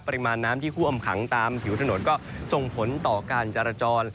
ปริมาณน้ำที่ท่วมขังตามผิวถนนก็ส่งผลต่อการจราจร